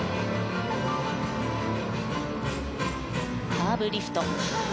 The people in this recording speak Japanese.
カーブリフト。